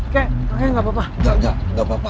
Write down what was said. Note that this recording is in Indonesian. keh kayaknya gak apa apa